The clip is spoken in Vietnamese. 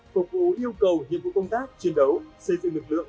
phục vụ yêu cầu nhiệm vụ công tác chiến đấu xây dựng lực lượng